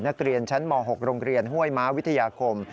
นักเรียนชั้นม๖โรงเรียนห้วยม้าวิทยาคม